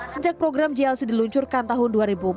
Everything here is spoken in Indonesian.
sejak program jlc diluncurkan tahun dua ribu empat belas